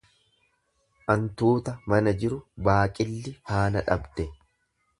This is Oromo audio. Antuuta mana jiru baaqilli faana dhabde.